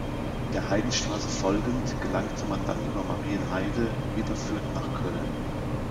Der Heidenstraße folgend gelangte man dann über Marienheide, Wipperfürth nach Köln.